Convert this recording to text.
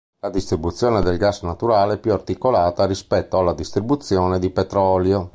La distribuzione del gas naturale è più articolata rispetto alla distribuzione di petrolio.